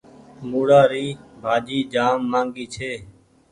موُڙآ ري ڀآجي جآم ماگي هيتي۔